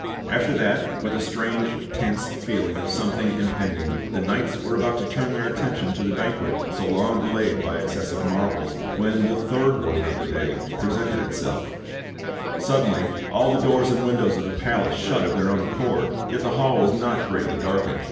After that, with a strange, tense feeling of something impend ing, the knights were about to turn their attention to the banquet so long delayed by excess of marvels, when the third wonder of the day presented itself: Suddenly all the doors and windows of the palace shut of their own accord, yet the hall was not greatly darkened.